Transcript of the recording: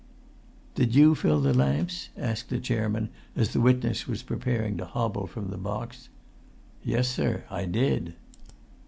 "Did you fill the lamps?" asked the chairman as the witness was preparing to hobble from the box. "Yes, sir, I did."